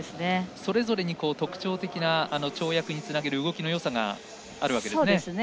それぞれに特徴的な跳躍につなげる動きのよさがあるわけですね。